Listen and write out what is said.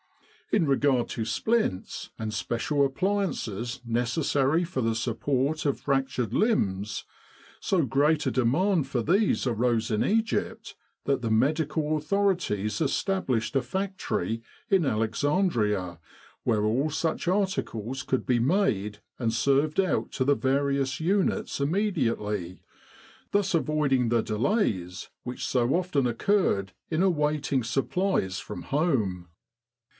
In regard to splints, and special appliances necessary for the support of fractured limbs, so great a demand for these arose in Egypt that the medical authorities established a factory in Alexandria where all such articles could be made and served out to the various units immediately, thus avoiding the delays which so often occurred in awaiting supplies from home.